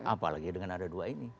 apalagi dengan ada dua ini